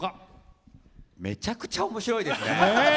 めちゃくちゃおもしろいですね！